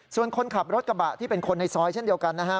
ส่วนคนขับรถกระบะที่เป็นคนในซอยเช่นเดียวกันนะฮะ